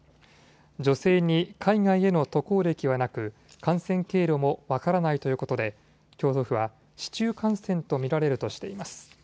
女性に海外への渡航歴はなく感染経路も分からないということで京都府は市中感染と見られるとしています。